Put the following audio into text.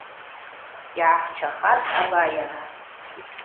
Йгӏахчахаз абайара.